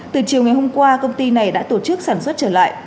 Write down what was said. từ chiều ngày hôm qua công ty này đã tổ chức sản xuất trở lại